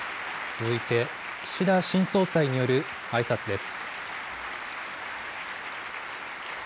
続いて、岸田新総裁によるあいさつです。